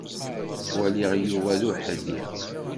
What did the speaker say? Ttwaliɣ Yuba d uḥdiq.